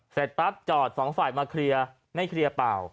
เสร็จปั๊บจอดสองฝ่ายมาเคลียร์ไม่เคลียร์เปล่า